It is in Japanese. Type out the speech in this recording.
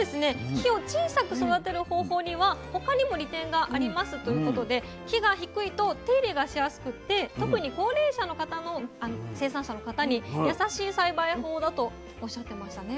木を小さく育てる方法には他にも利点がありますということで木が低いと手入れがしやすくって特に高齢者の方の生産者の方に優しい栽培法だとおっしゃってましたね。